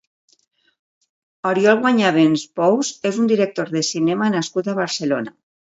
Oriol Guanyabens Pous és un director de cinema nascut a Barcelona.